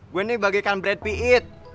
gua nih bagaikan brad pitt